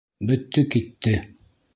Бөттө китте!